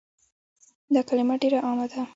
دا کلمه ډيره عامه ده